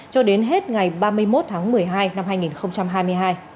cho đến hết ngày ba mươi một tháng một mươi hai năm hai nghìn hai mươi hai